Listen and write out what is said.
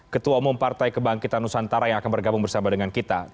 ketua umum partai kebangkitan nusantara yang akan bergabung bersama dengan kita